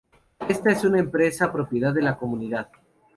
Esta es una empresa propiedad de la comunidad.